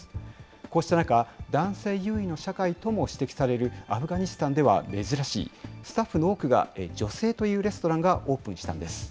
こうした中、男性優位の社会とも指摘されるアフガニスタンでは珍しい、スタッフの多くが女性というレストランがオープンしたんです。